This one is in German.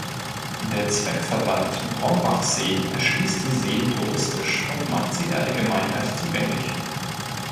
Der Zweckverband Brombachsee erschließt die Seen touristisch und macht sie der Allgemeinheit zugänglich.